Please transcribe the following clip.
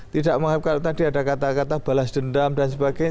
tidak mengharapkan tadi ada kata kata balas dendam dan sebagainya